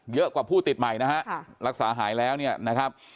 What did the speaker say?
เยอะกว่าผู้ติดใหม่นะฮะรักษาหายแล้วเนี่ยนะครับ